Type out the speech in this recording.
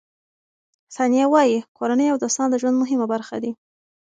ثانیه وايي، کورنۍ او دوستان د ژوند مهمه برخه دي.